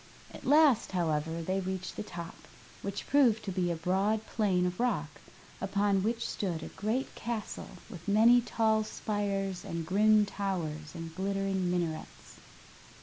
At last, however, they reached the top, which proved to be a broad plain of rock, upon which stood a great castle with many tall spires and grim towers and glittering minarets.